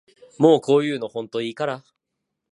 もうこういうのほんといいから